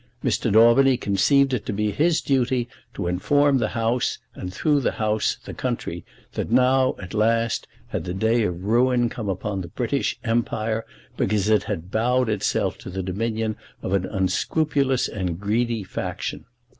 Mr. Daubeny conceived it to be his duty to inform the House, and through the House the country, that now, at last, had the day of ruin come upon the British Empire, because it had bowed itself to the dominion of an unscrupulous and greedy faction.